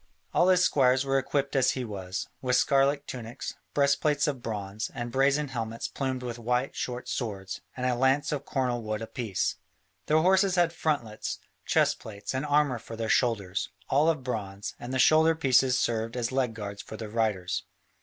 All his squires were equipped as he was, with scarlet tunics, breastplates of bronze, and brazen helmets plumed with white, short swords, and a lance of cornel wood apiece. Their horses had frontlets, chest plates, and armour for their shoulders, all of bronze, and the shoulder pieces served as leg guards for the riders.